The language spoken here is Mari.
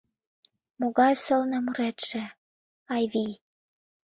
Могай сылне муретше, Айвий!